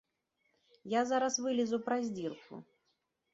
Я зараз вылезу праз дзірку.